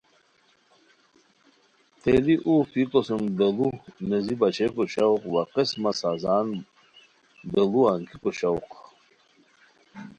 تیلی اوغ پیکو سُم بیڑو نیزی باشئیکو شوق وا قسمہ سازان بیڑوا انگیکو شوق